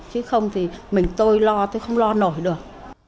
chứ không thì mình tôi lo tôi không lo nổi được